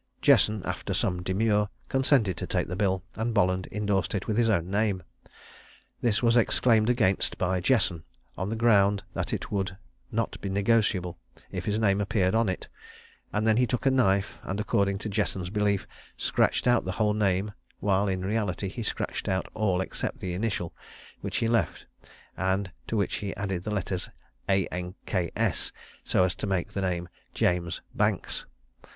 Jesson, after some demur, consented to take the bill; and Bolland indorsed it with his own name. This was exclaimed against by Jesson, on the ground that it would not be negociable if his name appeared on it; and he then took a knife, and, according to Jesson's belief, scratched out the whole name, while, in reality, he scratched out all except the initial, which he left, and to which he added the letters "anks," so as to make the name "James Banks."